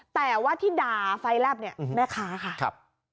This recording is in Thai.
แต่ว่าที่ด่าไฟแลบเนี่ยแม่ค้าค่ะครับ